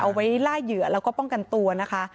เอาไว้ล่าเหยื่อแล้วก็ป้องกันตัวนะคะ